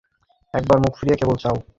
একবার মুখ ফিরিয়ে কেবল চাও।